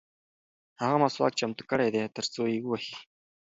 هغه مسواک چمتو کړی دی ترڅو یې ووهي.